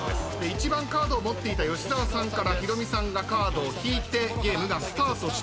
一番カードを持っていた吉沢さんからヒロミさんがカードを引いてゲームがスタートしたんですが。